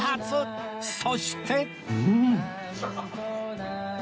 そして